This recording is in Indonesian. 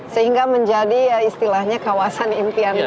sehingga menjadi istilahnya kawasan impian